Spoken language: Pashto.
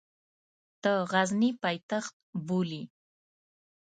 د غزني پایتخت بولي.